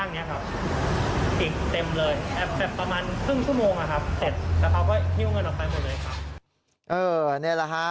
เสร็จแล้วเขาก็นิ้วเงินออกไปหมดเลยครับเออเนี่ยแหละฮะ